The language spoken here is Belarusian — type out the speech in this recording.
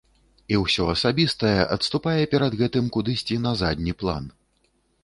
І ўсё асабістае адступае перад гэтым кудысьці на задні план.